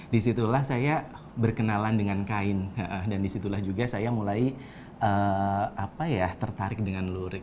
di situlah saya berkenalan dengan kain dan di situlah juga saya mulai apa ya tertarik dengan lurik